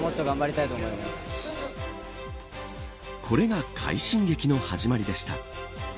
これが快進撃の始まりでした。